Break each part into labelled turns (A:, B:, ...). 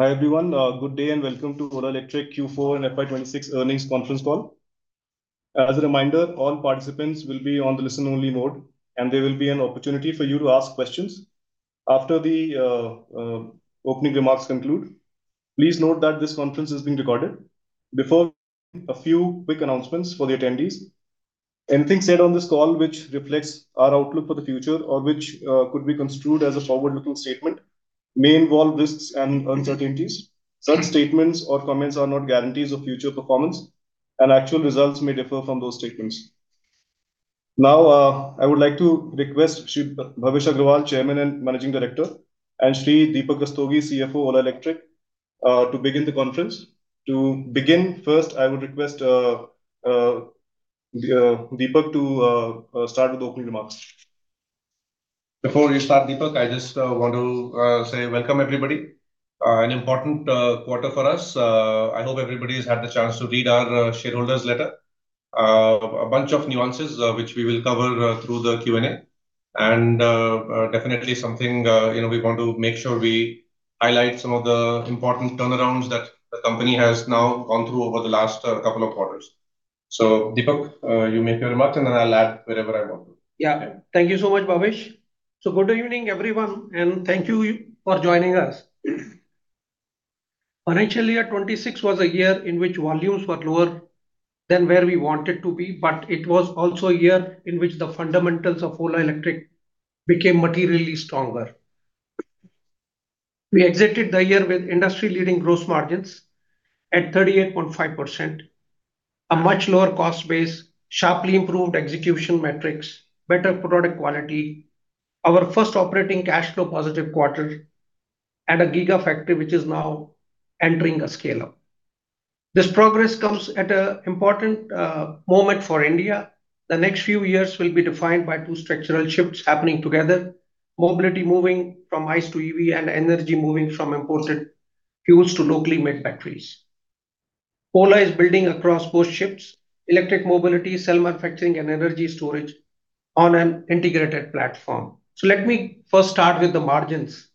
A: Hi, everyone. Good day and welcome to Ola Electric Q4 and FY 2026 earnings conference call. As a reminder, all participants will be on the listen-only mode, and there will be an opportunity for you to ask questions after the opening remarks conclude. Please note that this conference is being recorded. Before a few quick announcements for the attendees. Anything said on this call which reflects our outlook for the future or which could be construed as a forward-looking statement may involve risks and uncertainties. Such statements or comments are not guarantees of future performance, and actual results may differ from those statements. Now, I would like to request Sri Bhavish Aggarwal, Chairman and Managing Director, and Sri Deepak Rastogi, CFO, Ola Electric, to begin the conference. To begin, first, I would request Deepak to start with opening remarks.
B: Before you start, Deepak, I just want to say welcome, everybody. An important quarter for us. I hope everybody's had the chance to read our shareholders letter. A bunch of nuances which we will cover through the Q&A, and definitely something, you know, we want to make sure we highlight some of the important turnarounds that the company has now gone through over the last couple of quarters. Deepak, you make your remarks, and then I'll add wherever I want.
C: Thank you so much, Bhavish. Good evening, everyone, and thank you for joining us. Financial year 2026 was a year in which volumes were lower than where we wanted to be, it was also a year in which the fundamentals of Ola Electric became materially stronger. We exited the year with industry-leading gross margins at 38.5%, a much lower cost base, sharply improved execution metrics, better product quality, our first operating cash flow positive quarter at a Gigafactory which is now entering a scale-up. This progress comes at an important moment for India. The next few years will be defined by two structural shifts happening together: mobility moving from ICE to EV and energy moving from imported fuels to locally made batteries. Ola is building across both shifts, electric mobility, cell manufacturing, and energy storage on an integrated platform. Let me first start with the margins.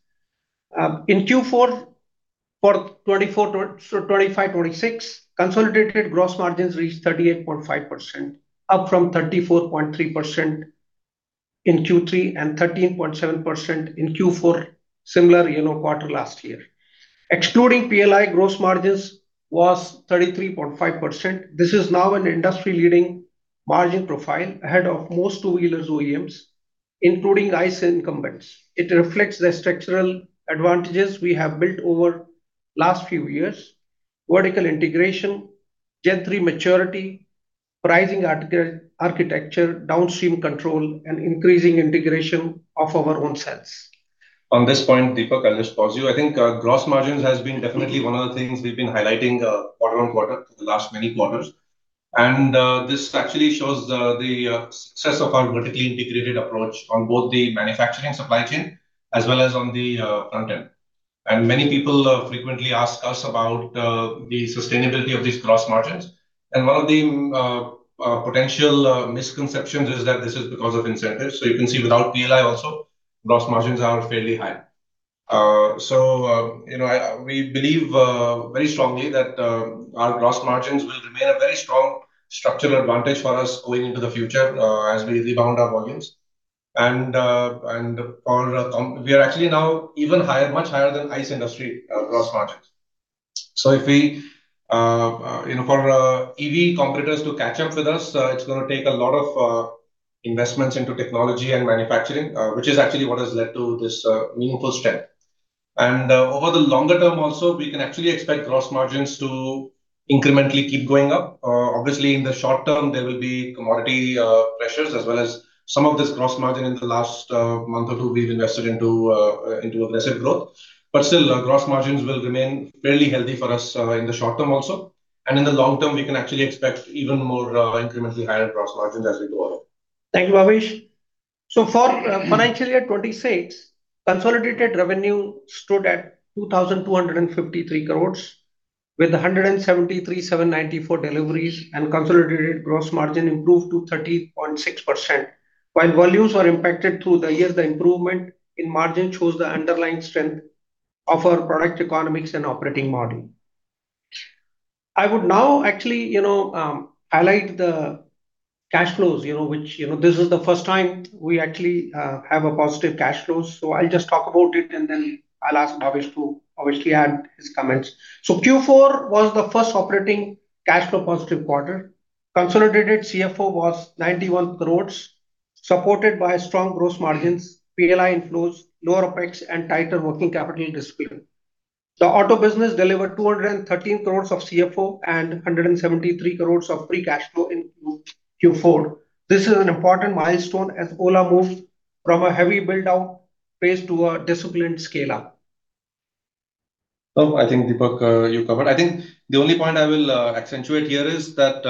C: In Q4 for 2024 to 2025, 2026, consolidated gross margins reached 38.5%, up from 34.3% in Q3 and 13.7% in Q4 similar, you know, quarter last year. Excluding PLI gross margins was 33.5%. This is now an industry-leading margin profile ahead of most two-wheelers OEMs, including ICE incumbents. It reflects the structural advantages we have built over last few years: vertical integration, Gen 3 maturity, pricing architecture, downstream control, and increasing integration of our own cells.
B: On this point, Deepak, I'll just pause you. I think gross margins has been definitely one of the things we've been highlighting quarter-on-quarter for the last many quarters. This actually shows the success of our vertically integrated approach on both the manufacturing supply chain as well as on the front end. Many people frequently ask us about the sustainability of these gross margins. One of the potential misconceptions is that this is because of incentives. You can see without PLI also, gross margins are fairly high. You know, I, we believe very strongly that our gross margins will remain a very strong structural advantage for us going into the future as we rebound our volumes. We are actually now even higher, much higher than ICE industry, gross margins. If we, you know, for EV competitors to catch up with us, it's gonna take a lot of investments into technology and manufacturing, which is actually what has led to this meaningful strength. Over the longer term also, we can actually expect gross margins to incrementally keep going up. Obviously, in the short term, there will be commodity pressures as well as some of this gross margin in the last month or two we've invested into aggressive growth. Still, gross margins will remain fairly healthy for us in the short term also. In the long term, we can actually expect even more incrementally higher gross margins as we go on.
C: Thank you, Bhavish. For financial year 2026, consolidated revenue stood at 2,253 crore with 173,794 deliveries. Consolidated gross margin improved to 30.6%. While volumes were impacted through the year, the improvement in margin shows the underlying strength of our product economics and operating model. I would now actually, you know, highlight the cash flows, which this is the first time we actually have positive cash flows. I'll just talk about it, and then I'll ask Bhavish to obviously add his comments. Q4 was the first operating cash flow positive quarter. Consolidated CFO was 91 crore, supported by strong gross margins, PLI inflows, lower OpEx, and tighter working capital discipline. The auto business delivered 213 crore of CFO and 173 crore of free cash flow in Q4. This is an important milestone as Ola moved from a heavy build-out phase to a disciplined scale-up.
B: Oh, I think, Deepak, you covered. I think the only point I will accentuate here is that,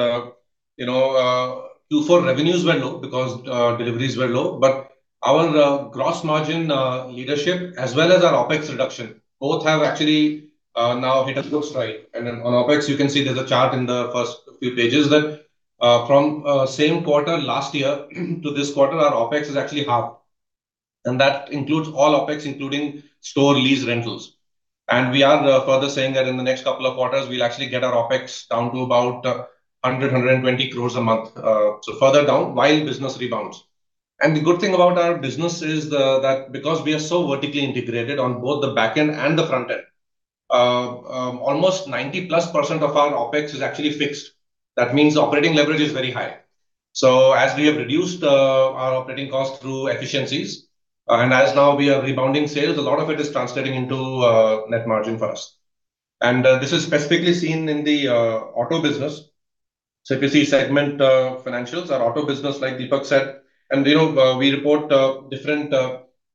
B: you know, Q4 revenues were low because deliveries were low. But our gross margin leadership as well as our OpEx reduction, both have actually now hit a growth stride. On OpEx, you can see there's a chart in the first few pages that from same quarter last year to this quarter, our OpEx is actually half. And that includes all OpEx, including store lease rentals. We are further saying that in the next couple of quarters, we'll actually get our OpEx down to about 100-120 crores a month, so further down while business rebounds. The good thing about our business is that because we are so vertically integrated on both the back end and the front end, almost 90%+ of our OpEx is actually fixed. That means operating leverage is very high. As we have reduced our operating costs through efficiencies, and as now we are rebounding sales, a lot of it is translating into net margin for us. This is specifically seen in the auto business. If you see segment financials, our auto business, like Deepak said, and, you know, we report different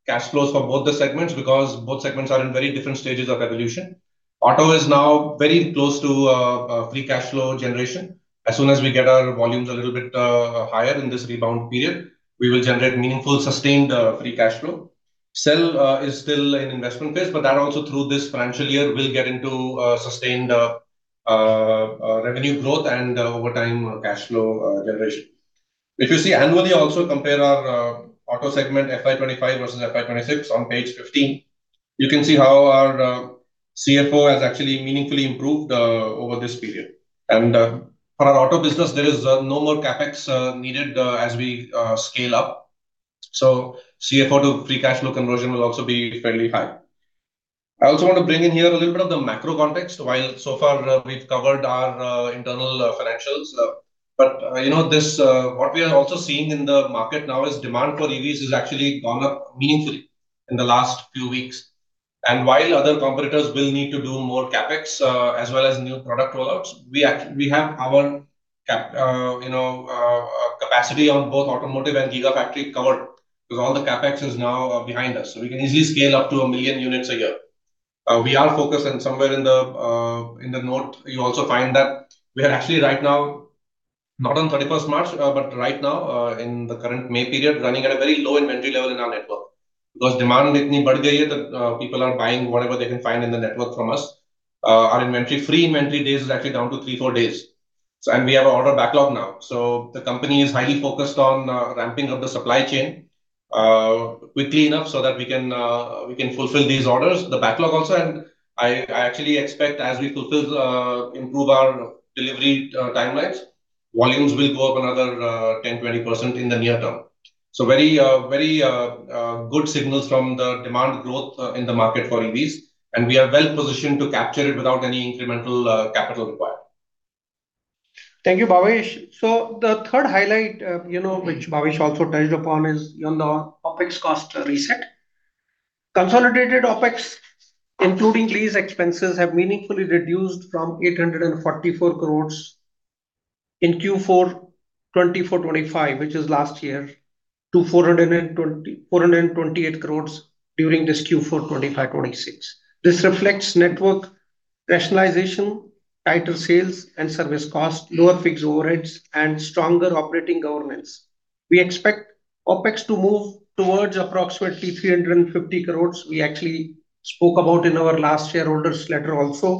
B: cash flows for both the segments because both segments are in very different stages of evolution. Auto is now very close to free cash flow generation. As soon as we get our volumes a little bit higher in this rebound period, we will generate meaningful, sustained free cash flow. Cell is still in investment phase, but that also through this financial year will get into sustained revenue growth and over time cash flow generation. If you see annually also compare our auto segment FY 2025 versus FY 2026 on page 15. You can see how our CFO has actually meaningfully improved over this period. For our auto business, there is no more CapEx needed as we scale up. CFO to free cash flow conversion will also be fairly high. I also want to bring in here a little bit of the macro context while so far we've covered our internal financials. You know, this, what we are also seeing in the market now is demand for EVs has actually gone up meaningfully in the last few weeks. While other competitors will need to do more CapEx, as well as new product rollouts, we have our capacity on both automotive and Gigafactory covered because all the CapEx is now behind us. We can easily scale up to a million units a year. We are focused and somewhere in the note, you also find that we are actually right now, not on 31st March, but right now, in the current May period, running at a very low inventory level in our network because demand people are buying whatever they can find in the network from us. Our inventory, free inventory days is actually down to three, four days. We have order backlog now. The company is highly focused on ramping up the supply chain quickly enough so that we can fulfill these orders. The backlog also. I actually expect as we fulfill, improve our delivery timelines, volumes will go up another 10%-20% in the near term. Very, very good signals from the demand growth in the market for EVs, and we are well positioned to capture it without any incremental capital required.
C: Thank you, Bhavish. The third highlight, you know, which Bhavish also touched upon is on the OpEx cost reset. Consolidated OpEx, including lease expenses, have meaningfully reduced from 844 crore in Q4 2024/2025, which is last year, to 428 crore during this Q4 2025/2026. This reflects network rationalization, tighter sales and service costs, lower fixed overheads, and stronger operating governance. We expect OpEx to move towards approximately 350 crore. We actually spoke about in our last shareholders letter also,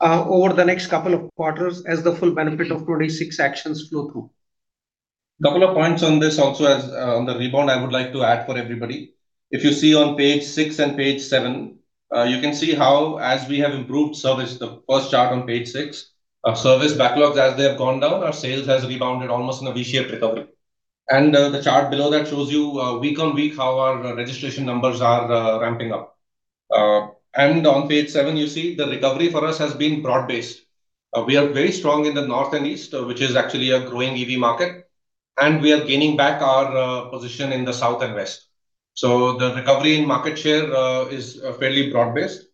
C: over the next couple of quarters as the full benefit of 26 actions flow through.
B: A couple of points on this also as on the rebound, I would like to add for everybody. If you see on page six and page seven, you can see how as we have improved service, the first chart on page six, our service backlogs as they have gone down, our sales has rebounded almost in a V-shaped recovery. The chart below that shows you week on week how our registration numbers are ramping up. On page seven, you see the recovery for us has been broad-based. We are very strong in the north and east, which is actually a growing EV market, and we are gaining back our position in the south and west. The recovery in market share is fairly broad-based.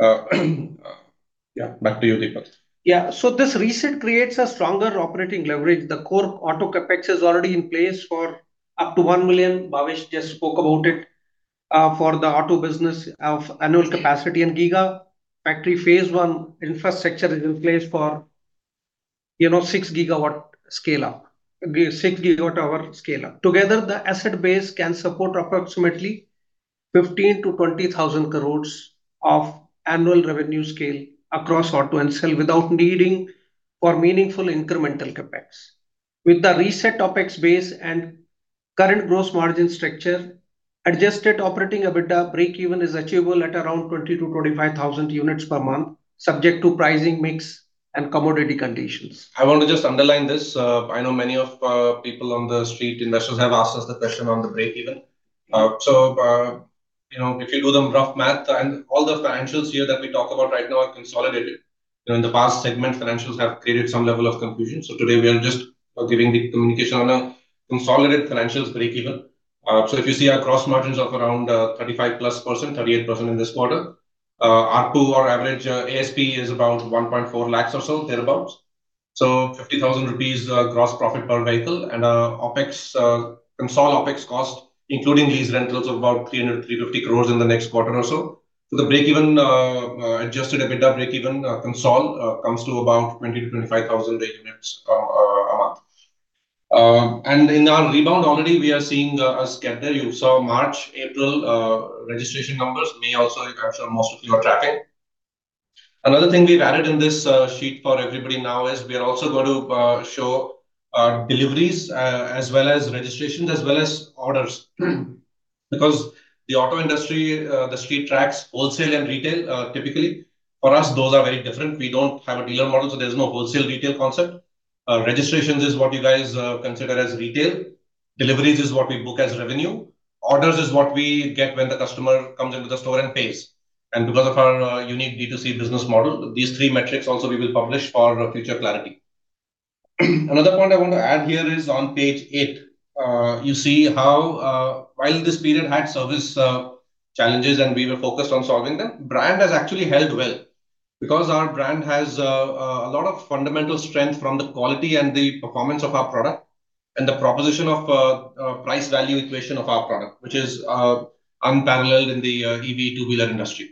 B: Yeah, back to you, Deepak.
C: Yeah. This reset creates a stronger operating leverage. The core auto CapEx is already in place for up to one million. Bhavish just spoke about it for the auto business of annual capacity and Gigafactory Phase 1 infrastructure is in place for 6 GWh scale up. Together, the asset base can support approximately 15,000 crore-20,000 crore of annual revenue scale across auto and cell without needing for meaningful incremental CapEx. With the reset OpEx base and current gross margin structure, adjusted operating EBITDA breakeven is achievable at around 20,000-25,000 units per month, subject to pricing mix and commodity conditions.
B: I want to just underline this. I know many of people on the street investors have asked us the question on the breakeven. You know, if you do the rough math and all the financials here that we talk about right now are consolidated. You know, in the past, segment financials have created some level of confusion. Today, we are just giving the communication on a consolidated financials breakeven. If you see our gross margins of around 35%+, 38% in this quarter, ARPU or average ASP is about 1.4 lakhs or so, thereabout. 50,000 rupees gross profit per vehicle and OPEX, console OPEX cost, including lease rentals, about 300 crore-350 crore in the next quarter or so. The breakeven adjusted EBITDA breakeven console comes to about 20,000-25,000 vehicle units a month. In our rebound already, we are seeing a scatter. You saw March, April registration numbers. May also, I'm sure most of you are tracking. Another thing we've added in this sheet for everybody now is we are also going to show deliveries, as well as registrations, as well as orders. The auto industry, the street tracks wholesale and retail typically. For us, those are very different. We don't have a dealer model, so there's no wholesale retail concept. Registrations is what you guys consider as retail. Deliveries is what we book as revenue. Orders is what we get when the customer comes into the store and pays. Because of our unique D2C business model, these three metrics also we will publish for future clarity. Another point I want to add here is on page eight, you see how while this period had service challenges and we were focused on solving them, brand has actually held well. Because our brand has a lot of fundamental strength from the quality and the performance of our product and the proposition of price value equation of our product, which is unparalleled in the EV two-wheeler industry.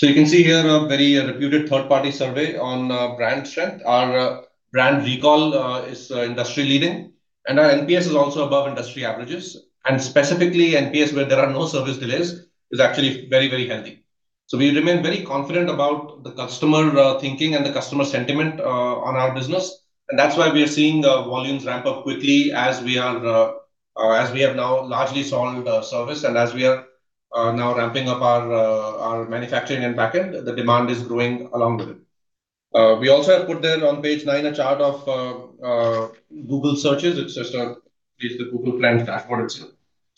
B: You can see here a very reputed third-party survey on brand strength. Our brand recall is industry leading, and our NPS is also above industry averages. Specifically, NPS where there are no service delays is actually very healthy. We remain very confident about the customer thinking and the customer sentiment on our business. That's why we are seeing volumes ramp up quickly as we are as we have now largely solved service and as we are now ramping up our manufacturing and backend, the demand is growing along with it. We also have put there on page nine a chart of Google searches. It's just it's the Google Trends dashboard itself.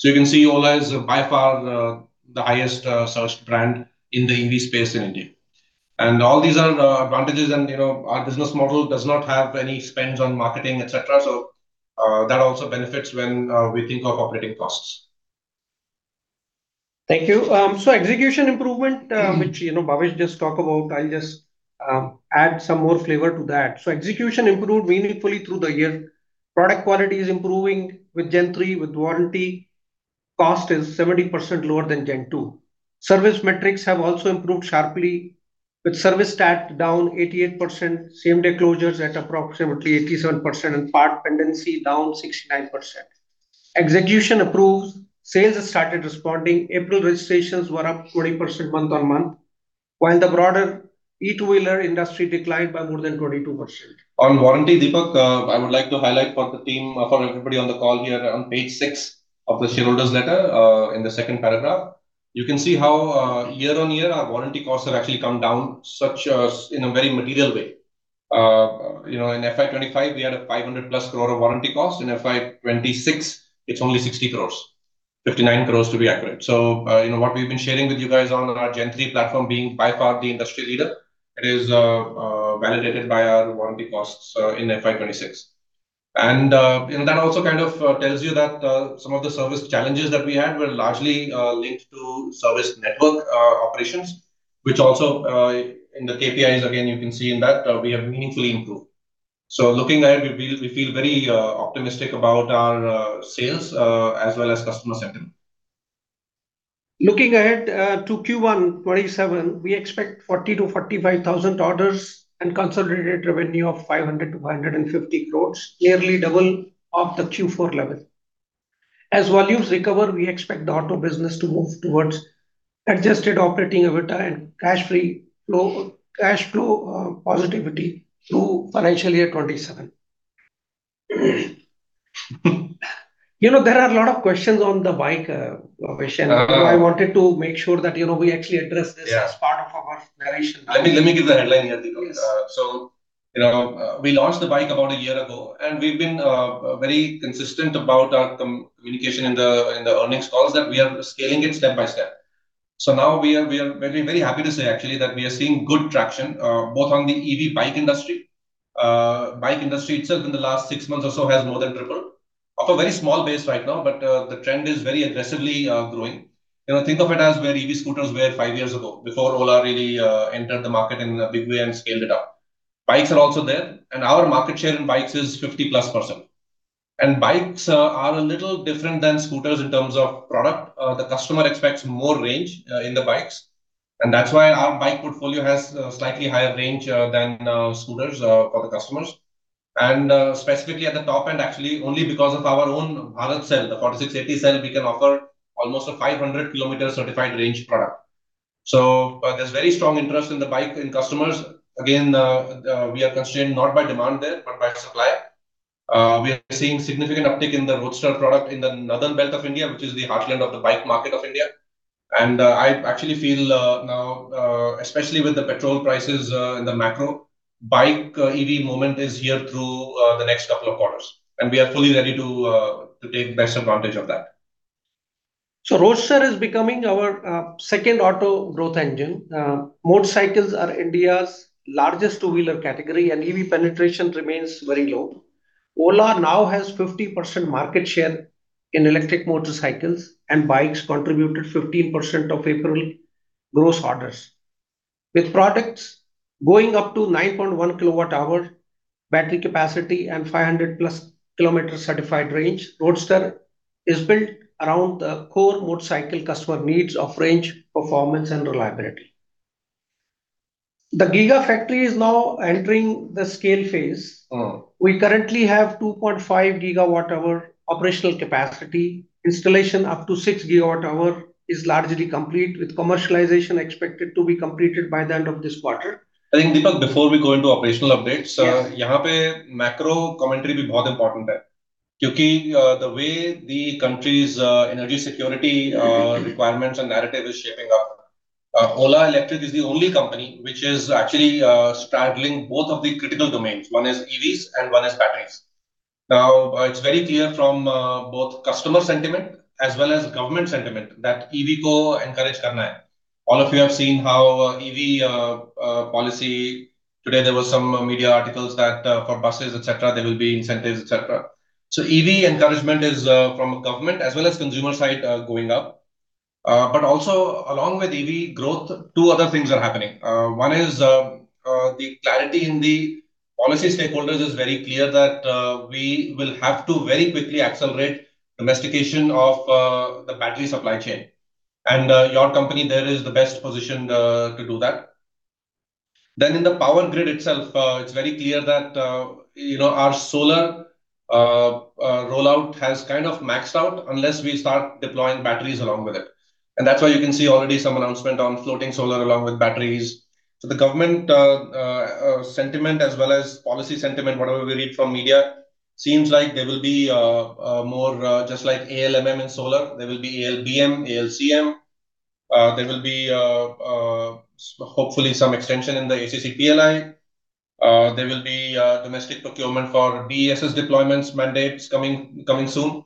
B: You can see Ola is by far the highest searched brand in the EV space in India. All these are advantages and, you know, our business model does not have any spends on marketing, etc. That also benefits when we think of operating costs.
C: Thank you. Execution improvement, which, you know, Bhavish just talk about, I'll just add some more flavor to that. Exe cution improved meaningfully through the year. Product quality is improving with Gen 3, with warranty. Cost is 70% lower than Gen 2. Service metrics have also improved sharply, with service TAT down 88%, same-day closures at approximately 87% and part pendency down 69%. Execution improves, sales has started responding. April registrations were up 20% month-on-month, while the broader e-two-wheeler industry declined by more than 22%.
B: On warranty, Deepak, I would like to highlight for the team, for everybody on the call here on page six of the shareholders letter, in the second paragraph. You can see how year-on-year our warranty costs have actually come down such as in a very material way. You know, in FY 2025, we had a 500+ crore of warranty cost. In FY 2026, it's only 60 crore. 59 crore to be accurate. You know, what we've been sharing with you guys on our Gen 3 platform being by far the industry leader, it is validated by our warranty costs in FY 2026. That also kind of tells you that some of the service challenges that we had were largely linked to service network operations, which also in the KPIs, again, you can see in that, we have meaningfully improved. Looking ahead, we feel very optimistic about our sales as well as customer sentiment.
C: Looking ahead to Q1 2027, we expect 40,000-45,000 orders and consolidated revenue of 500 crore-550 crore, nearly double of the Q4 level. As volumes recover, we expect the auto business to move towards adjusted operating EBITDA and cash flow positivity through financial year 2027. You know, there are a lot of questions on the bike, Bhavish.
B: Uh...
C: I wanted to make sure that, you know, we actually address this-
B: Yeah....
C: as part of our narration.
B: Let me give the headline here, Deepak.
C: Yes.
B: You know, we launched the bike about a year ago, and we've been very consistent about our communication in the earnings calls that we are scaling it step by step. Now we are very, very happy to say actually that we are seeing good traction both on the EV bike industry. Bike industry itself in the last six months or so has more than tripled. Of a very small base right now, but the trend is very aggressively growing. You know, think of it as where EV scooters were five years ago before Ola really entered the market in a big way and scaled it up. Bikes are also there, our market share in bikes is 50%+. Bikes are a little different than scooters in terms of product. The customer expects more range in the bikes, that's why our bike portfolio has a slightly higher range than scooters for the customers. Specifically at the top end, actually, only because of our own Bharat Cell, the 4680 cell, we can offer almost a 500 km certified range product. There's very strong interest in the bike in customers. Again, we are constrained not by demand there, but by supply. We are seeing significant uptick in the Roadster product in the northern belt of India, which is the heartland of the bike market of India. I actually feel now, especially with the petrol prices, in the macro, bike EV moment is here through the next couple of quarters, and we are fully ready to take best advantage of that.
C: Roadster is becoming our second auto growth engine. Motorcycles are India's largest two-wheeler category, and EV penetration remains very low. Ola now has 50% market share in electric motorcycles, and bikes contributed 15% of April gross orders. With products going up to 9.1 kWh battery capacity and 500+ km certified range, Roadster is built around the core motorcycle customer needs of range, performance, and reliability. The Gigafactory is now entering the scale phase.
B: Oh.
C: We currently have 2.5 GWh operational capacity. Installation up to 6 GWh is largely complete, with commercialization expected to be completed by the end of this quarter.
B: I think, Deepak, before we go into operational updates.
C: Yes.
B: macro commentary important. The way the country's, energy security requirements and narrative is shaping up, Ola Electric is the only company which is actually straddling both of the critical domains. One is EVs and one is batteries. It's very clear from both customer sentiment as well as government sentiment that [EV go encourage current]. All of you have seen how EV policy. Today there was some media articles that for buses, etc, there will be incentives, etc. EV encouragement is from a government as well as consumer side going up. Also along with EV growth, two other things are happening. One is the clarity in the policy stakeholders is very clear that we will have to very quickly accelerate domestication of the battery supply chain. Your company there is the best positioned to do that. In the power grid itself, it's very clear that, you know, our solar rollout has kind of maxed out unless we start deploying batteries along with it. That's why you can see already some announcement on floating solar along with batteries. The government sentiment as well as policy sentiment, whatever we read from media, seems like there will be more, just like ALMM in solar, there will be ALBM, ALCM. There will be hopefully some extension in the ACC PLI. There will be domestic procurement for BESS deployments mandates coming soon.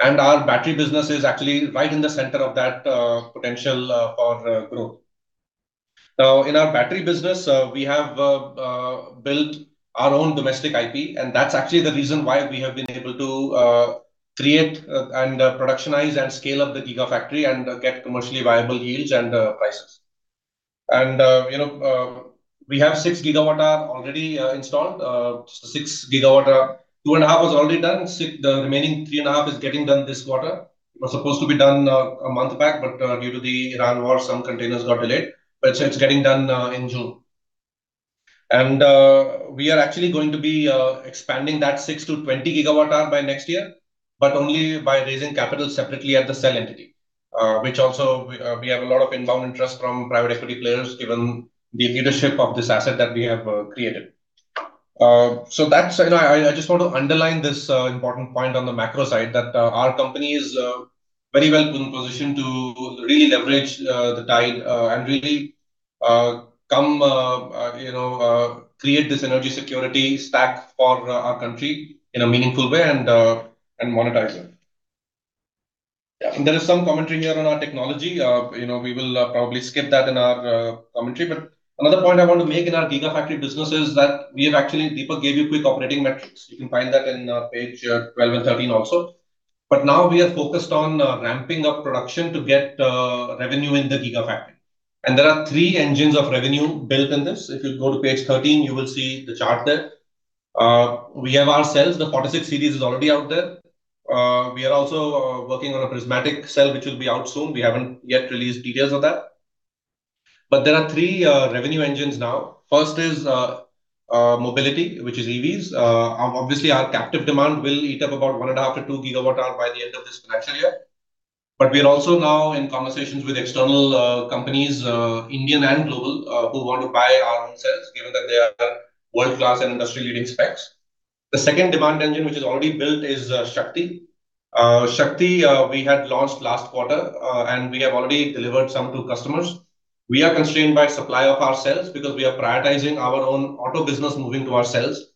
B: Our battery business is actually right in the center of that potential for growth. Now, in our battery business, we have built our own domestic IP, and that's actually the reason why we have been able to create and productionize and scale up the Gigafactory and get commercially viable yields and prices. You know, we have 6 GWh already installed. 6 GWh. 2.5 GWh was already done. The remaining 3.5 GWh is getting done this quarter. It was supposed to be done a month back, due to the Iran war, some containers got delayed. It's getting done in June. We are actually going to be expanding that 6 GWh-20 GWh by next year, only by raising capital separately at the cell entity. Which also we have a lot of inbound interest from private equity players, given the leadership of this asset that we have created. So that's, you know, I just want to underline this important point on the macro side that our company is very well positioned to really leverage the tide and really come, you know, create this energy security stack for our country in a meaningful way and monetize it.
C: Yeah.
B: There is some commentary here on our technology. you know, we will probably skip that in our commentary. Another point I want to make in our Gigafactory business is that we have actually Deepak gave you quick operating metrics. You can find that in page 12 and 13 also. Now we are focused on ramping up production to get revenue in the Gigafactory. There are three engines of revenue built in this. If you go to page 13, you will see the chart there. We have our cells, the 46-series is already out there. We are also working on a prismatic cell, which will be out soon. We haven't yet released details of that. There are 3 revenue engines now. First is mobility, which is EVs. Obviously, our captive demand will eat up about 1.5 GWh-2 GWh by the end of this financial year. We are also now in conversations with external companies, Indian and global, who want to buy our own cells, given that they are world-class and industry-leading specs. The second demand engine, which is already built, is Shakti. Shakti, we had launched last quarter, and we have already delivered some to customers. We are constrained by supply of our cells because we are prioritizing our own auto business moving to our cells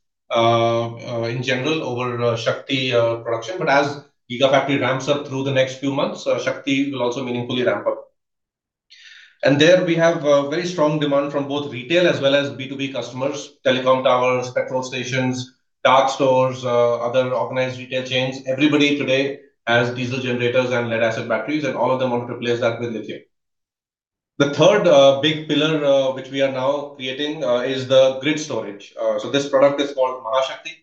B: in general over Shakti production. As Gigafactory ramps up through the next few months, Shakti will also meaningfully ramp up. There we have a very strong demand from both retail as well as B2B customers, telecom towers, petrol stations, dark stores, other organized retail chains. Everybody today has diesel generators and lead acid batteries, and all of them want to replace that with lithium. The third big pillar, which we are now creating, is the grid storage. This product is called Mahashakti,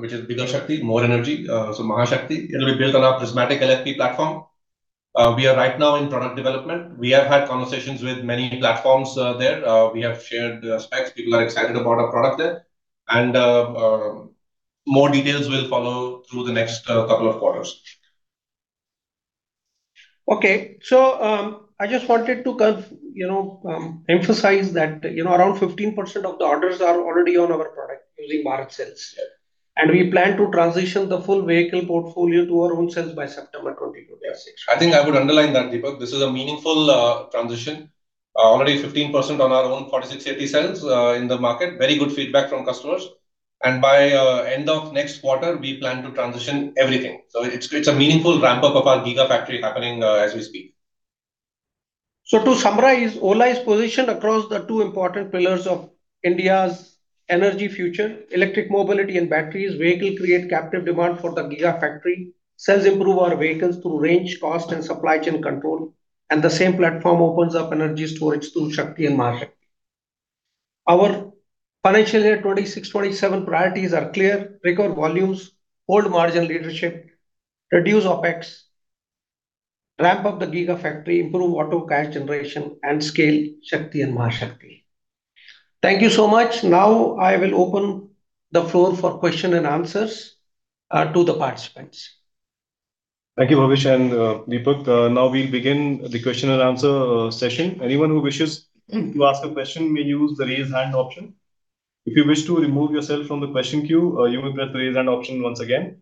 B: which is bigger Shakti, more energy. Mahashakti, it'll be built on our prismatic LFP platform. We are right now in product development. We have had conversations with many platforms there. We have shared specs. People are excited about our product there. More details will follow through the next couple of quarters.
C: Okay. I just wanted to, you know, emphasize that, you know, around 15% of the orders are already on our product using Bharat Cell.
B: Yeah.
C: We plan to transition the full vehicle portfolio to our own cells by September 2020.
B: Yeah. I think I would underline that, Deepak. This is a meaningful transition. Already 15% on our own 4680 cells in the market. Very good feedback from customers. By end of next quarter, we plan to transition everything. It's a meaningful ramp-up of our Gigafactory happening as we speak.
C: To summarize, Ola is positioned across the two important pillars of India's energy future, electric mobility and batteries. Vehicle create captive demand for the Gigafactory. Cells improve our vehicles through range, cost and supply chain control, and the same platform opens up energy storage through Shakti and Mahashakti. Our financial year 2026/2027 priorities are clear: recover volumes, hold margin leadership, reduce OpEx
B: Ramp up the Gigafactory, improve auto cash generation, and scale Shakti and Mahashakti. Thank you so much. Now I will open the floor for question and answers to the participants.
A: Thank you, Bhavish and Deepak. Now we'll begin the question and answer session. Anyone who wishes to ask a question may use the Raise Hand option. If you wish to remove yourself from the question queue, you may press the Raise Hand option once again.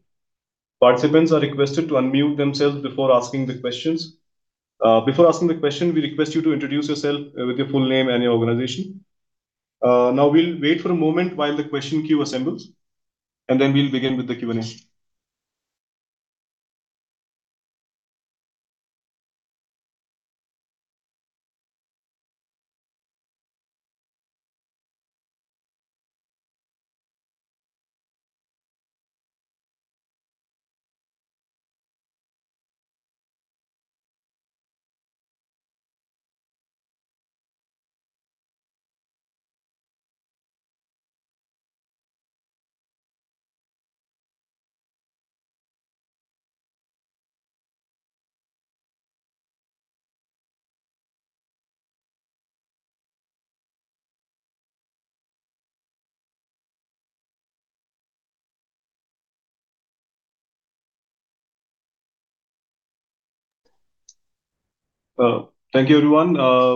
A: Participants are requested to unmute themselves before asking the questions. Before asking the question, we request you to introduce yourself with your full name and your organization. Now we'll wait for a moment while the question queue assembles, and then we'll begin with the Q&A. Thank you, everyone.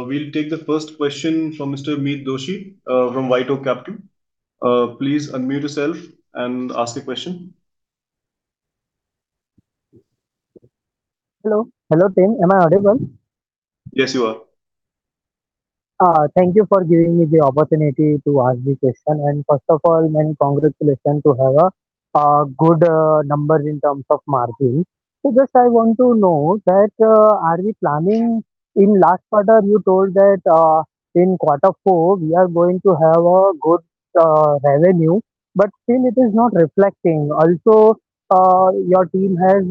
A: We'll take the first question from Mr. Meet Doshi from WhiteOak Capital. Please unmute yourself and ask the question.
D: Hello. Hello, team. Am I audible?
A: Yes, you are.
D: Thank you for giving me the opportunity to ask the question. First of all, many congratulations to have a good numbers in terms of margin. Just I want to know that, are we planning? In last quarter you told that in Q4 we are going to have a good revenue, but still it is not reflecting. Your team has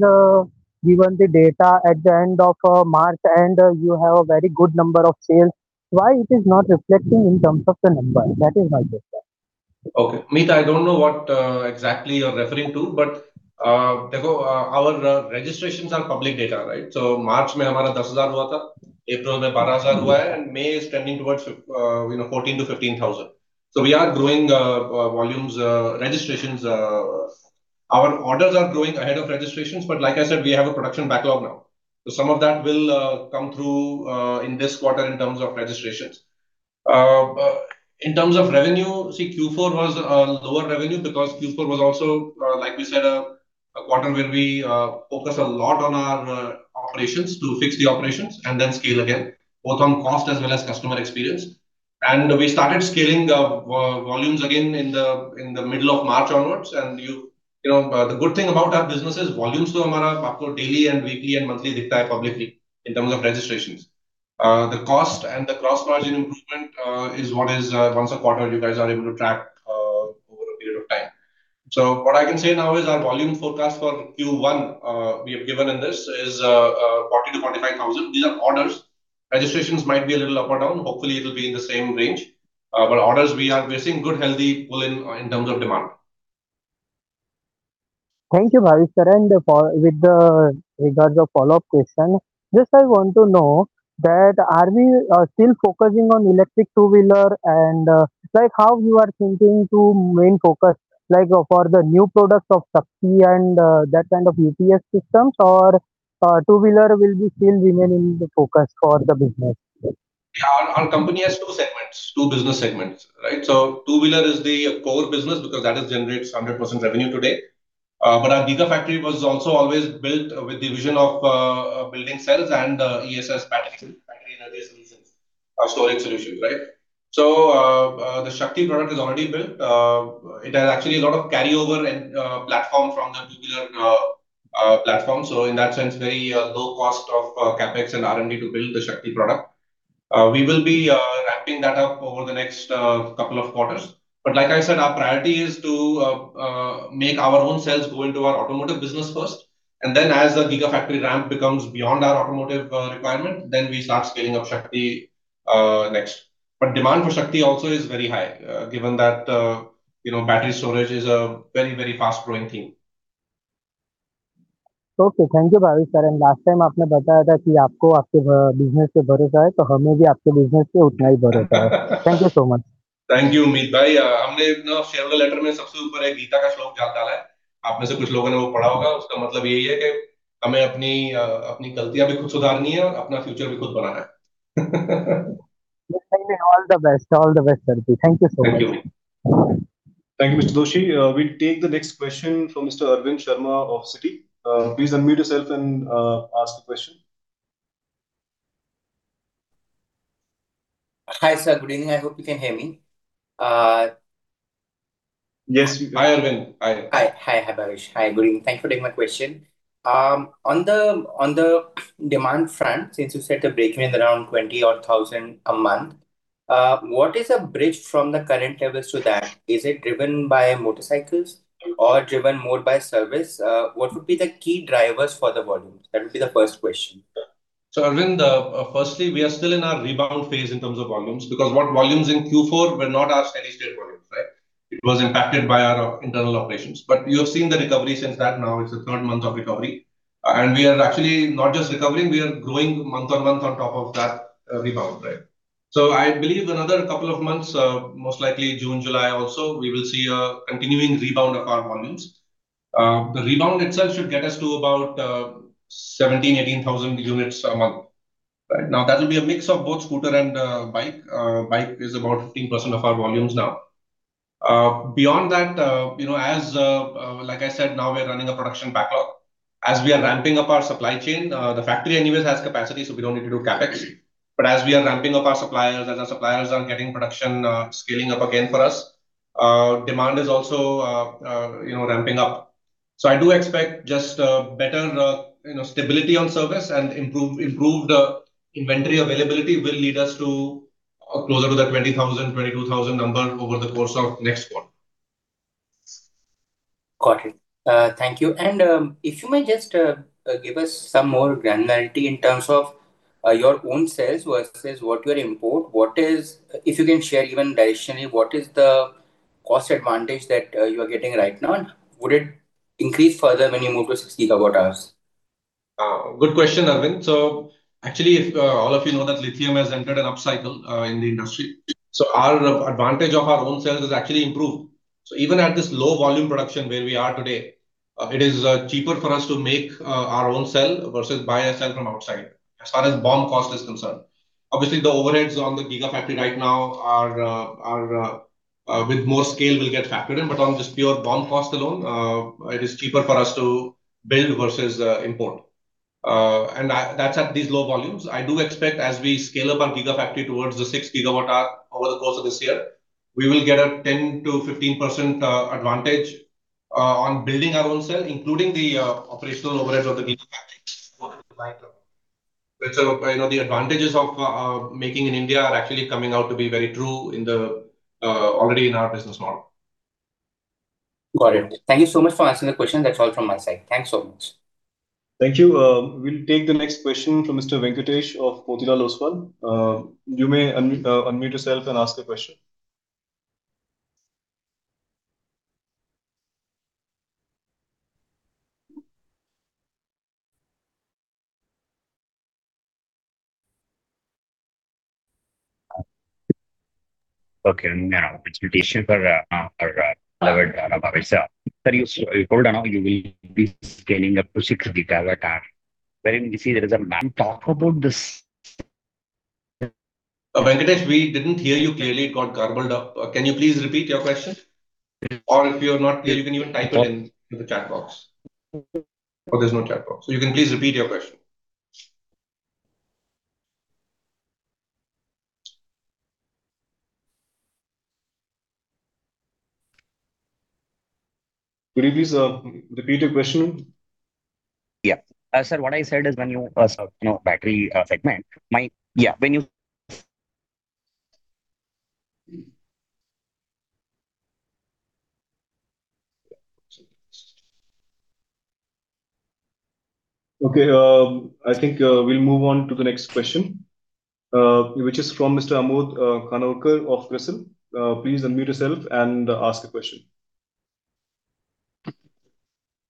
D: given the data at the end of March, you have a very good number of sales. Why it is not reflecting in terms of the number? That is my question.
B: Okay. Meet, I don't know what exactly you're referring to, but speaker, our registrations are public data, right? March [10,000], April [[12,000], and May is trending towards, you know, 14,000-15,000. We are growing volumes, registrations. Our orders are growing ahead of registrations, but like I said, we have a production backlog now. Some of that will come through in this quarter in terms of registrations. In terms of revenue, see, Q4 was a lower revenue because Q4 was also, like we said, a quarter where we focused a lot on our operations to fix the operations and then scale again, both on cost as well as customer experience. We started scaling the volumes again in the middle of March onwards. You know, the good thing about our business is volumes...
D: Thank you, Bhavish. Sir, with the regards of follow-up question, just I want to know that are we still focusing on electric two-wheeler and like how you are thinking to main focus, like for the new products of Shakti and that kind of UPS systems or two-wheeler will still remain in the focus for the business?
B: Our company has two segments, two business segments, right? Two-wheeler is the core business because that is generates 100% revenue today. Our Gigafactory was also always built with the vision of building cells and ESS battery energy solutions, storage solutions, right? The Shakti product is already built. It has actually a lot of carryover and platform from the two-wheeler platform. In that sense, very low cost of CapEx and R&D to build the Shakti product. We will be ramping that up over the next couple of quarters. Like I said, our priority is to make our own cells go into our automotive business first, and then as the Gigafactory ramp becomes beyond our automotive requirement, then we start scaling up Shakti next. Demand for Shakti also is very high, given that, you know, battery storage is a very, very fast growing thing.
D: Okay. Thank you, Bhavish. Last time Thank you so much.
B: Thank you, Meet.
D: All the best. All the best, sir. Thank you so much.
B: Thank you.
A: Thank you, Mr. Doshi. We'll take the next question from Mr. Arvind Sharma of Citi. Please unmute yourself and ask the question.
E: Hi, sir. Good evening. I hope you can hear me.
B: Yes, we can. Hi, Arvind. Hi.
E: Hi. Hi, Bhavish. Hi, good evening. Thank you for taking my question. On the demand front, since you said a break-even around 20,000 a month, what is a bridge from the current levels to that? Is it driven by motorcycles or driven more by service? What would be the key drivers for the volumes? That would be the first question.
B: Arvind, firstly, we are still in our rebound phase in terms of volumes, because what volumes in Q4 were not our steady state volumes. It was impacted by our internal operations. You've seen the recovery since that, now it's the third month of recovery. We are actually not just recovering, we are growing month-on-month on top of that rebound, right? I believe another couple of months, most likely June, July also, we will see a continuing rebound of our volumes. The rebound itself should get us to about 17,000-18,000 units a month. Right now, that will be a mix of both scooter and bike. Bike is about 15% of our volumes now. Beyond that, you know, as like I said, now we're running a production backlog. As we are ramping up our supply chain, the factory anyways has capacity, so we don't need to do CapEx. As we are ramping up our suppliers, as our suppliers are getting production, scaling up again for us, demand is also, you know, ramping up. I do expect just better, you know, stability on service and improved inventory availability will lead us to closer to the 20,000-22,000 number over the course of next quarter.
E: Got it. Thank you. If you may just give us some more granularity in terms of your own sales versus what you import. What is If you can share even directionally, what is the cost advantage that you are getting right now? Would it increase further when you move to 6 GWh?
B: Good question, Arvind. Actually, if all of you know that lithium has entered an upcycle in the industry. Our advantage of our own sales has actually improved. Even at this low volume production where we are today, it is cheaper for us to make our own cell versus buy a cell from outside, as far as BOM cost is concerned. Obviously, the overheads on the Gigafactory right now are, with more scale will get factored in. On this pure BOM cost alone, it is cheaper for us to build versus import. That's at these low volumes. I do expect as we scale up our Gigafactory towards the 6 GWh over the course of this year, we will get a 10%-15% advantage on building our own cell, including the operational overhead of the Gigafactories. You know, the advantages of making in India are actually coming out to be very true in the already in our business model.
E: Got it. Thank you so much for answering the question. That's all from my side. Thanks so much.
A: Thank you. We'll take the next question from Mr. Venkatesh of Kotak Mahindra. You may unmute yourself and ask your question.
F: Okay. Now it's Venkatesh for Bhavish Aggarwal. Sir, you said you will be scaling up to 6 GWh, wherein we see there is a demand. Talk about this.
B: Venkatesh, we didn't hear you clearly. It got garbled up. Can you please repeat your question? Or if you're not clear, you can even type it in the chat box. Oh, there's no chat box. You can please repeat your question.
A: Could you please repeat your question?
F: Yeah. sir, what I said is when you know, battery, segment, when you-
A: Okay. I think we'll move on to the next question, which is from Mr. [Amod Khanolkar] of [CRISIL]. Please unmute yourself and ask a question.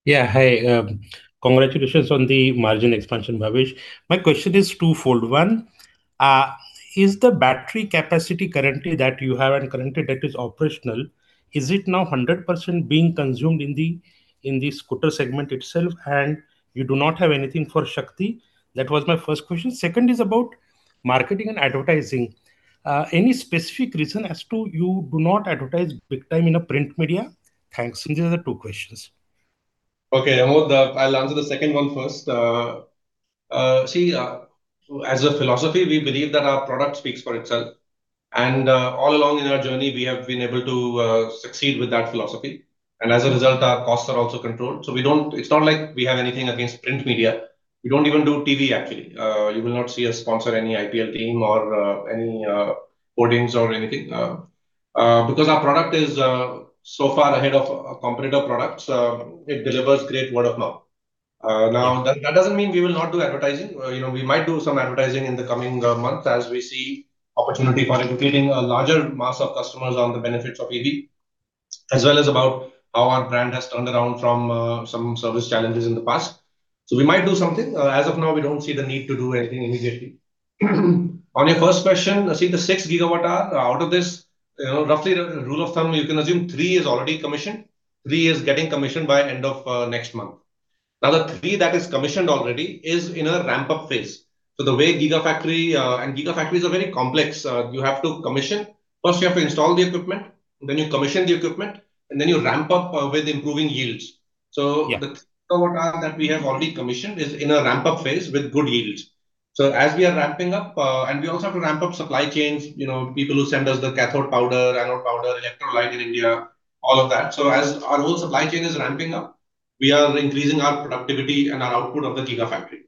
G: Yeah, hi. Congratulations on the margin expansion, Bhavish. My question is twofold. One, is the battery capacity currently that you have and currently that is operational, is it now 100% being consumed in the scooter segment itself and you do not have anything for Shakti? That was my first question. Second is about marketing and advertising. Any specific reason as to you do not advertise big time in the print media? Thanks. These are the two questions.
B: Okay, Amod, I'll answer the second one first. As a philosophy, we believe that our product speaks for itself. All along in our journey, we have been able to succeed with that philosophy. As a result, our costs are also controlled. It's not like we have anything against print media. We don't even do TV, actually. You will not see us sponsor any IPL team or any boardings or anything. Because our product is so far ahead of competitor products, it delivers great word of mouth. Now that doesn't mean we will not do advertising. You know, we might do some advertising in the coming months as we see opportunity for educating a larger mass of customers on the benefits of EV, as well as about how our brand has turned around from some service challenges in the past. We might do something. As of now, we don't see the need to do anything immediately. On your first question, I think the 6 GWh out of this, you know, roughly the rule of thumb, you can assume three is already commissioned, three is getting commissioned by end of next month. The three that is commissioned already is in a ramp-up phase. The way Gigafactory and Gigafactories are very complex. You have to commission. First, you have to install the equipment, then you commission the equipment, and then you ramp up with improving yields.
G: Yeah.
B: The gigawatt hour that we have already commissioned is in a ramp-up phase with good yields. As we are ramping up, and we also have to ramp up supply chains, you know, people who send us the cathode powder, anode powder, electrolyte in India, all of that. As our whole supply chain is ramping up, we are increasing our productivity and our output of the Gigafactory.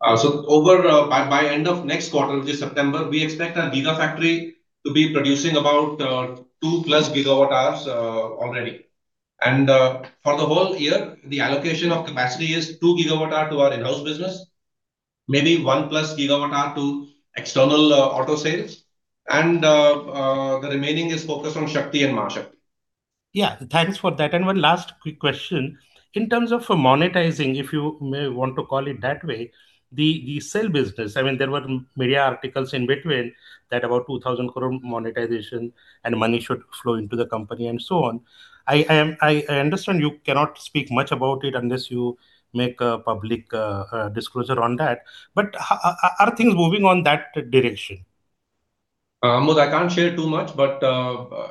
B: By end of next quarter, which is September, we expect our Gigafactory to be producing about 2+ GWh already. For the whole year, the allocation of capacity is 2 GWh to our in-house business. Maybe 1+ GWh to external auto sales. The remaining is focused on Shakti and Mahashakti.
G: Yeah. Thanks for that. One last quick question. In terms of monetizing, if you may want to call it that way, the cell business. I mean, there were media articles in between that about 2,000 crore monetization and money should flow into the company and so on. I understand you cannot speak much about it unless you make a public disclosure on that. Are things moving on that direction?
B: Amod Khanolkar, I can't share too much, but,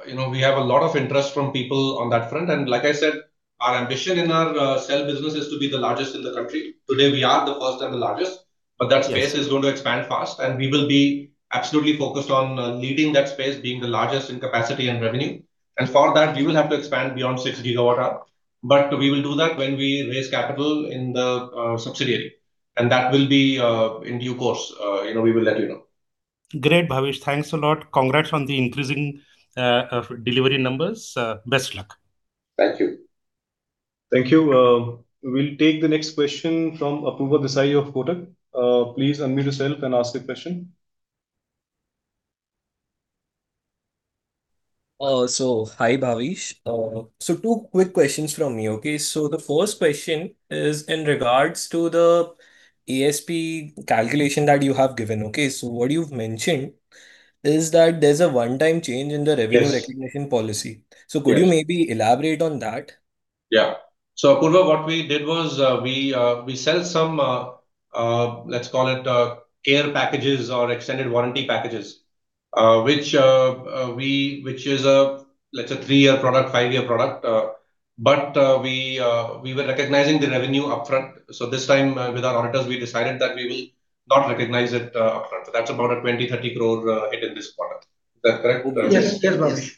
B: you know, we have a lot of interest from people on that front. Like I said, our ambition in our cell business is to be the largest in the country. Today, we are the first and the largest.
G: Yes.
B: That space is going to expand fast, and we will be absolutely focused on leading that space, being the largest in capacity and revenue. For that, we will have to expand beyond 6 GWh. We will do that when we raise capital in the subsidiary, and that will be in due course. You know, we will let you know.
G: Great, Bhavish. Thanks a lot. Congrats on the increasing delivery numbers. Best luck.
B: Thank you.
A: Thank you. We'll take the next question from Apurva Desai of Kotak. Please unmute yourself and ask the question.
H: Hi, Bhavish. Two quick questions from me, okay? The first question is in regards to the ASP calculation that you have given, okay? What you've mentioned is that there's a one-time change in the revenue-
B: Yes.
H: Rrecognition policy.
B: Yes.
H: Could you maybe elaborate on that?
B: Yeah. Apurva, what we did was, we sell some, let's call it, care packages or extended warranty packages, which is, let's say three-year product, five-year product. We were recognizing the revenue upfront. This time, with our auditors, we decided that we will not recognize it upfront. That's about a 20 crore-30 crore hit in this quarter. Is that correct, Punit?
C: Yes. Yes, Bhavish.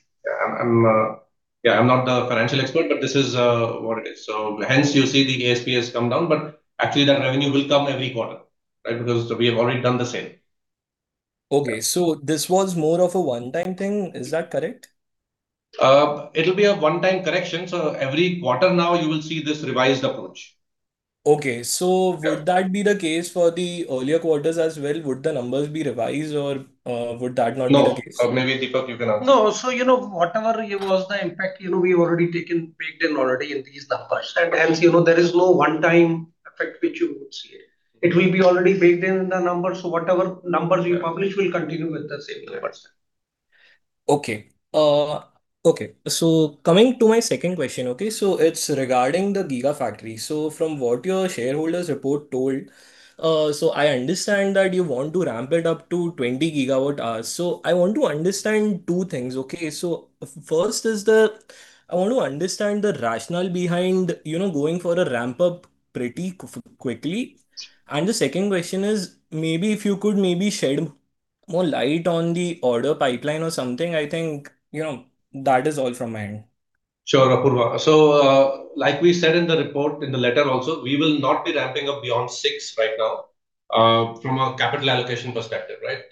B: Yeah. I'm not a financial expert, but this is what it is. Hence, you see the ASP has come down, actually that revenue will come every quarter, right? We have already done the sale.
H: Okay. This was more of a one-time thing. Is that correct?
B: It'll be a one-time correction. Every quarter now you will see this revised approach.
H: Okay.
B: Yeah.
H: Would that be the case for the earlier quarters as well? Would the numbers be revised or, would that not be the case?
B: No. Maybe Deepak, you can answer.
C: No. you know, whatever here was the impact, you know, we've already baked in already in these numbers.
H: Right.
C: Hence, you know, there is no one-time effect which you would see. It will be already baked in the numbers. Whatever numbers we publish will continue with the same numbers.
H: Okay. Okay, coming to my second question, okay? It's regarding the Gigafactory. From what your shareholders report told, I understand that you want to ramp it up to 20 GWh. I want to understand two things, okay? First, I want to understand the rationale behind, you know, going for a ramp up pretty quickly. The second question is, maybe if you could maybe shed more light on the order pipeline or something, I think, you know, that is all from my end.
B: Sure, Apurva. Like we said in the report, in the letter also, we will not be ramping up beyond six right now, from a capital allocation perspective, right?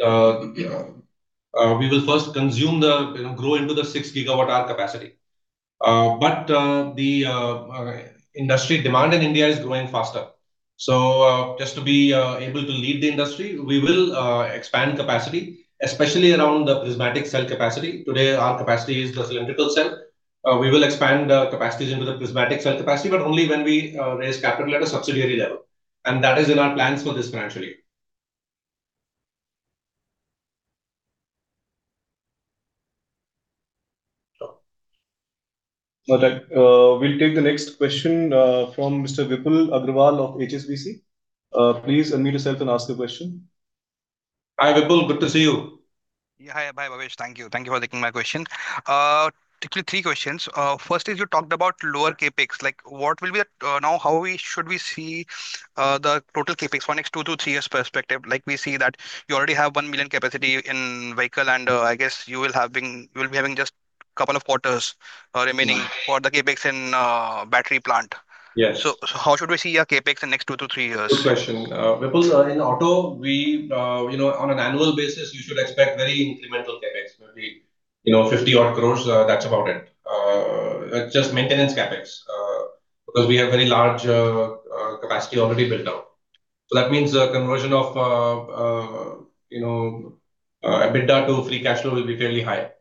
B: We will first consume the, you know, grow into the 6 GWh capacity. The industry demand in India is growing faster. Just to be able to lead the industry, we will expand capacity, especially around the prismatic cell capacity. Today, our capacity is the cylindrical cell. We will expand capacities into the prismatic cell capacity, but only when we raise capital at a subsidiary level, and that is in our plans for this financially. Sure.
A: All right. We'll take the next question from Mr. Vipul Agrawal of HSBC. Please unmute yourself and ask the question.
B: Hi, Vipul. Good to see you.
I: Yeah. Hi. Bye, Bhavish. Thank you for taking my question. Particularly three questions. First is you talked about lower CapEx. Like, what will be, now, how we should we see the total CapEx for next two to three years perspective? Like, we see that you already have one million capacity in vehicle, and I guess you will be having just couple quarters remaining-
B: Yeah.
I: For the CapEx in battery plant.
B: Yes.
I: How should we see your CapEx in next two to three years?
B: Good question. Vipul, in auto, we, on an annual basis, you should expect very incremental CapEx. Maybe, 50 odd crore, that's about it. Just maintenance CapEx, because we have very large capacity already built out. That means the conversion of EBITDA to free cash flow will be fairly high.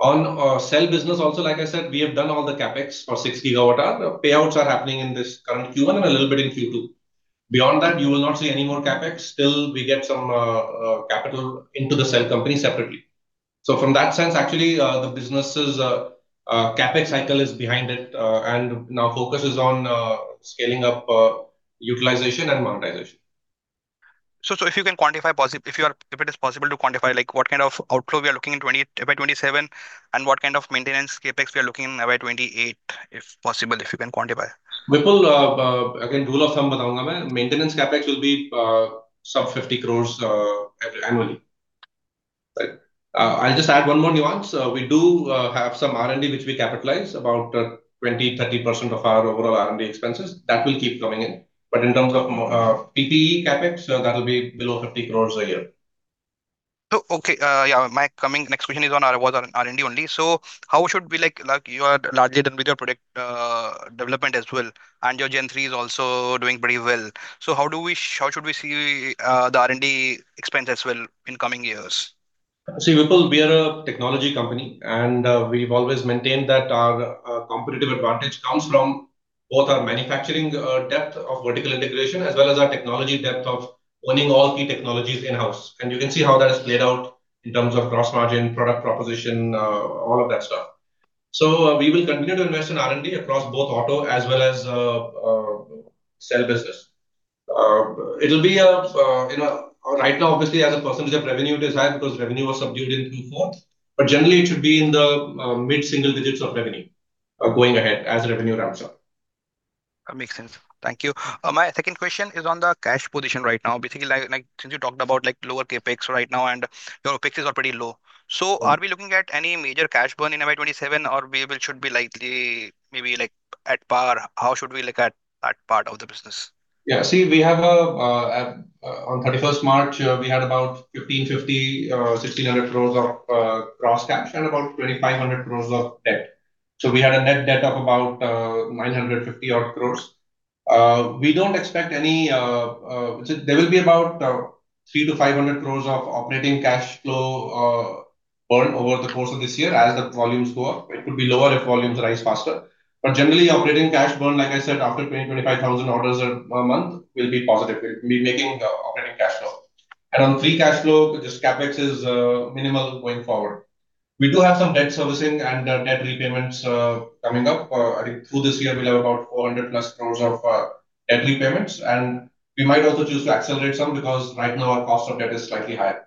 B: On cell business also, like I said, we have done all the CapEx for 6 GWh. Payouts are happening in this current Q1 and a little bit in Q2. Beyond that, you will not see any more CapEx till we get some capital into the cell company separately. From that sense, actually, the business' CapEx cycle is behind it, and now focus is on scaling up utilization and monetization.
I: If it is possible to quantify, like, what kind of outflow we are looking in FY 2027, and what kind of maintenance CapEx we are looking in FY 2028, if possible, if you can quantify?
B: Vipul, again, rule of thumb I'll just add one more nuance. We do have some R&D which we capitalize, about 20%, 30% of our overall R&D expenses. That will keep coming in. In terms of PPE CapEx, that'll be below 50 crore a year.
I: Okay, yeah, my coming next question is on our, was on R&D only. How should we like you are largely done with your product development as well, and your Gen 3 is also doing pretty well. How should we see the R&D expense as well in coming years?
B: See, Vipul Agrawal, we are a technology company, we've always maintained that our competitive advantage comes from both our manufacturing depth of vertical integration, as well as our technology depth of owning all key technologies in-house. You can see how that has played out in terms of gross margin, product proposition, all of that stuff. We will continue to invest in R&D across both auto as well as cell business. It'll be, you know Right now, obviously as a percentage of revenue it is high because revenue was subdued in Q4. Generally, it should be in the mid-single digits of revenue going ahead as revenue ramps up.
I: That makes sense. Thank you. My second question is on the cash position right now. Basically, like since you talked about like lower CapEx right now and your OpExes are pretty low. Are we looking at any major cash burn in FY 2027, or should be likely maybe like at par? How should we look at that part of the business?
B: Yeah. See, we have on 31st March, we had about 1,550 crore, 1,600 crore of gross cash and about 2,500 crore of debt. We had a net debt of about 950 odd crore. We don't expect any. There will be about 300 crore-500 crore of operating cash flow burn over the course of this year as the volumes go up. It could be lower if volumes rise faster. Generally, operating cash burn, like I said, after 20,000-25,000 orders a month will be positive. We'll be making operating cash flow. On free cash flow, just CapEx is minimal going forward. We do have some debt servicing and debt repayments coming up. I think through this year we'll have about 400+ crore of debt repayments. We might also choose to accelerate some because right now our cost of debt is slightly higher.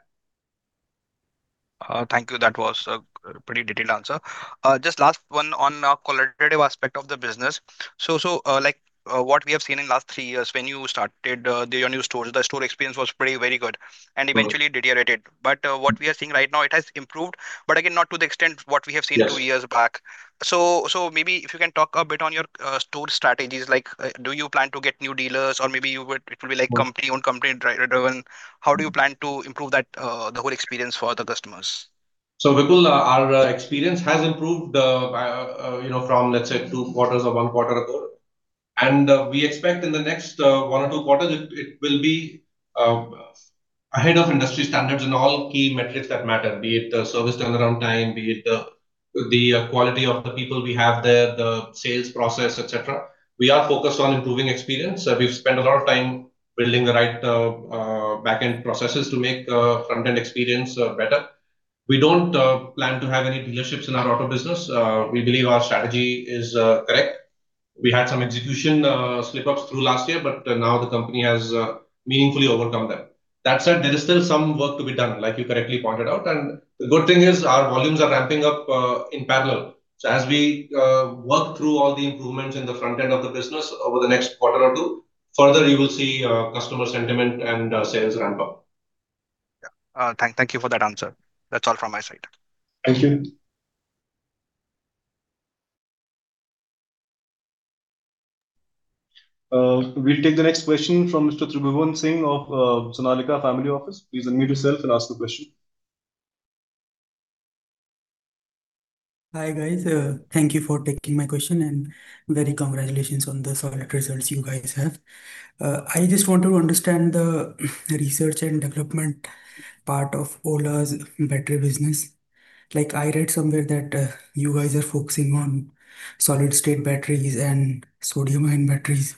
I: Thank you. That was a pretty detailed answer. Just last one on a qualitative aspect of the business. Like, what we have seen in last three years, when you started your new stores, the store experience was pretty very good. Eventually deteriorated. What we are seeing right now, it has improved, but again, not to the extent what we have seen.
B: Yes.
I: Two years back. Maybe if you can talk a bit on your store strategies. Like, do you plan to get new dealers or maybe it will be like company-owned, company-driven. How do you plan to improve that the whole experience for the customers?
B: Vipul, our experience has improved, by, you know, from, let's say two quarters or one quarter ago. We expect in the next one or two quarters it will be ahead of industry standards in all key metrics that matter, be it the service turnaround time, be it the quality of the people we have there, the sales process, etc. We are focused on improving experience. We've spent a lot of time building the right back-end processes to make front-end experience better. We don't plan to have any dealerships in our auto business. We believe our strategy is correct. We had some execution slip-ups through last year, but now the company has meaningfully overcome them. That said, there is still some work to be done, like you correctly pointed out. The good thing is our volumes are ramping up in parallel. As we work through all the improvements in the front end of the business over the next quarter or two, further you will see customer sentiment and sales ramp up.
I: Yeah. Thank you for that answer. That's all from my side.
B: Thank you.
A: We'll take the next question from Mr. [Tribhuvan Singh] of [Sonalika Family Office]. Please unmute yourself and ask the question.
J: Hi, guys. Thank you for taking my question, and very congratulations on the solid results you guys have. I just want to understand the research and development part of Ola's battery business. Like, I read somewhere that you guys are focusing on solid-state batteries and sodium-ion batteries.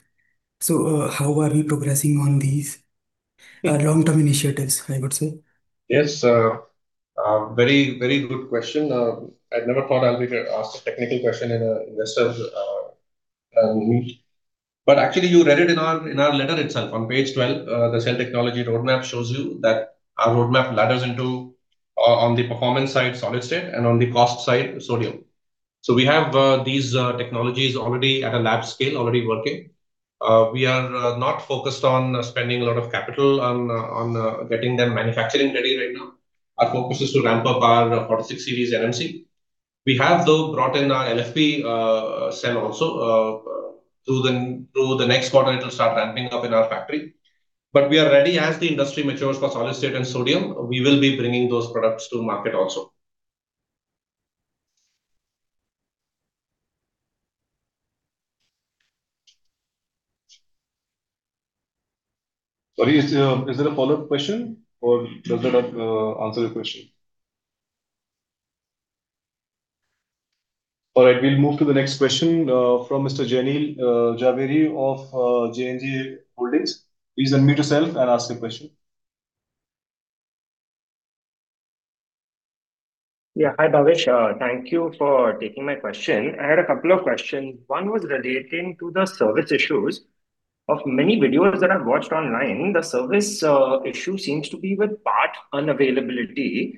J: How are we progressing on these long-term initiatives, I would say?
B: Yes. very good question. I never thought I'll be asked a technical question in an investor meet. Actually, you read it in our letter itself. On page 12, the cell technology roadmap shows you that our roadmap ladders into on the performance side, solid state, and on the cost side, sodium. We have these technologies already at a lab scale already working. We are not focused on spending a lot of capital on getting them manufacturing ready right now. Our focus is to ramp up our 46-series NMC. We have, though, brought in our LFP cell also. Through the next quarter it'll start ramping up in our factory. We are ready as the industry matures for solid state and sodium, we will be bringing those products to market also. Sorry, is there a follow-up question or does that answer your question?
A: All right, we'll move to the next question from Mr. Jaineel Jhaveri of JNJ Holdings. Please unmute yourself and ask your question.
K: Hi, Bhavish. Thank you for taking my question. I had a couple of questions. One was relating to the service issues. Of many videos that I've watched online, the service issue seems to be with part unavailability.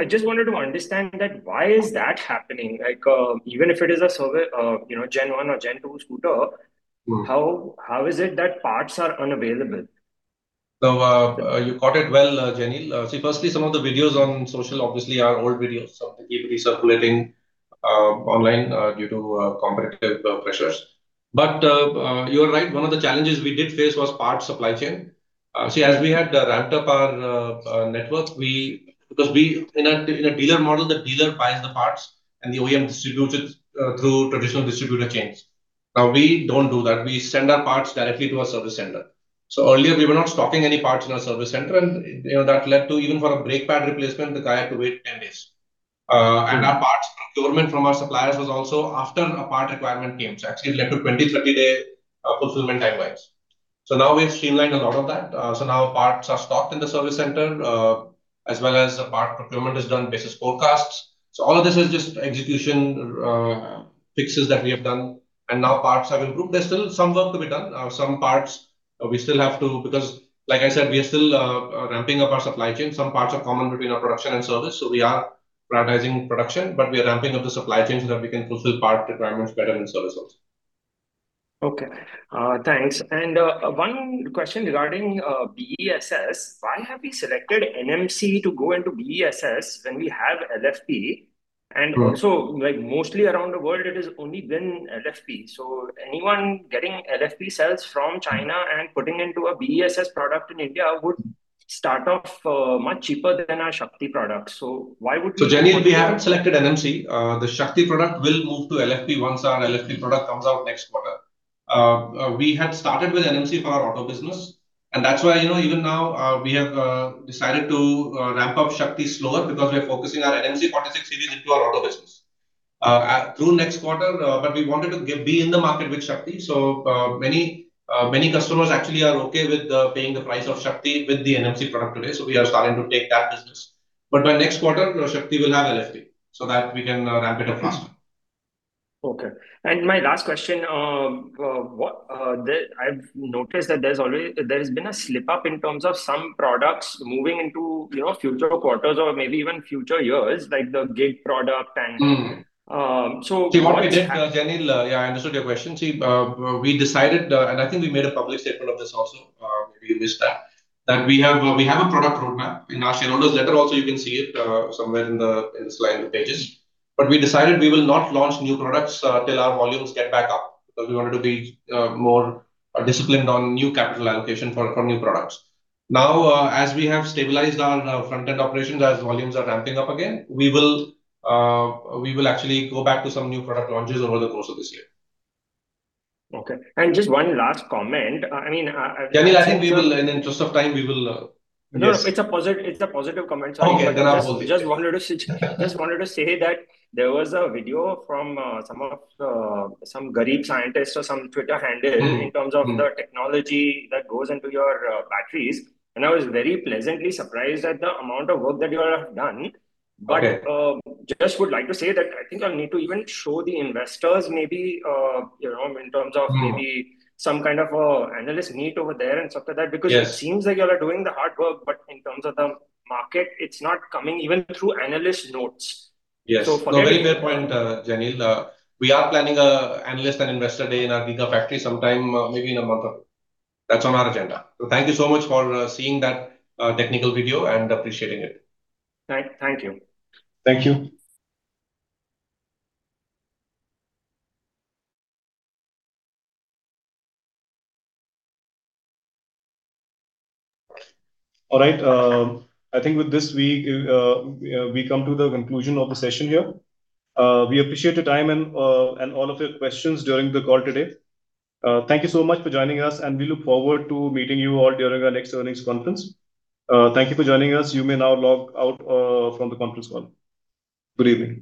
K: I just wanted to understand that why is that happening, like, even if it is a survey, you know, Gen 1 or Gen 2 scooter. How is it that parts are unavailable?
B: You caught it well, Jaineel. Firstly, some of the videos on social obviously are old videos, so they keep recirculating online due to competitive pressures. You are right, one of the challenges we did face was parts supply chain. As we had ramped up our network, because we, in a dealer model, the dealer buys the parts and the OEM distributes it through traditional distributor chains. We don't do that. We send our parts directly to our service center. Earlier we were not stocking any parts in our service center and, you know, that led to even for a brake pad replacement, the guy had to wait 10 days. Our parts procurement from our suppliers was also after a part requirement came. Actually it led to 20, 30-day fulfillment time-wise. Now we've streamlined a lot of that. Now parts are stocked in the service center, as well as the part procurement is done based on forecasts. All of this is just execution fixes that we have done. Now parts have improved. There's still some work to be done. Some parts we still have to Because like I said, we are still ramping up our supply chain. Some parts are common between our production and service, so we are prioritizing production. We are ramping up the supply chain so that we can fulfill part requirements better in service also.
K: Okay. Thanks. One question regarding BESS. Why have we selected NMC to go into BESS when we have LFP? Also, like mostly around the world it has only been LFP. Anyone getting LFP cells from China and putting into a BESS product in India would start off much cheaper than our Shakti product. Why would you?
B: Janil, we haven't selected NMC. The Shakti product will move to LFP once our LFP product comes out next quarter. We had started with NMC for our auto business, and that's why, you know, even now, we have decided to ramp up Shakti slower because we are focusing our NMC 46-series into our auto business through next quarter. We wanted to be in the market with Shakti. Many, many customers actually are okay with paying the price of Shakti with the NMC product today, so we are starting to take that business. By next quarter, Shakti will have LFP so that we can ramp it up faster.
K: Okay. My last question, I've noticed that there's been a slip up in terms of some products moving into, you know, future quarters or maybe even future years, like the Gen product. Um, so what...
B: See what we did, Janil, yeah, I understood your question. See, we decided, and I think we made a public statement of this also, maybe in this chat, that we have a product roadmap. In our shareholders letter also you can see it somewhere in the slide pages. We decided we will not launch new products till our volumes get back up, because we wanted to be more disciplined on new capital allocation for new products. Now, as we have stabilized our front-end operations, as volumes are ramping up again, we will actually go back to some new product launches over the course of this year.
K: Okay. Just one last comment.
B: Janil, I think we will, in interest of time, we will finish.
K: No, no, it's a positive comment. Sorry.
B: Okay. I'll hold it.
K: Just wanted to say that there was a video from some of Gareeb Scientist or some Twitter handle.
B: Mm-hmm, mm-hmm.
K: in terms of the technology that goes into your batteries. I was very pleasantly surprised at the amount of work that you all have done.
B: Okay.
K: Just would like to say that I think you need to even show the investors maybe, you know maybe some kind of a analyst meet over there and stuff like that.
B: Yes.
K: It seems like y'all are doing the hard work, but in terms of the market, it's not coming even through analyst notes.
B: Yes.
K: So for that...
B: Very fair point, Janil. We are planning an analyst and investor day in our Krishnagiri factory sometime, maybe in a month. That's on our agenda. Thank you so much for seeing that technical video and appreciating it.
K: Thank you.
B: Thank you. All right. I think with this we come to the conclusion of the session here. We appreciate the time and all of your questions during the call today. Thank you so much for joining us, and we look forward to meeting you all during our next earnings conference. Thank you for joining us. You may now log out from the conference call. Good evening.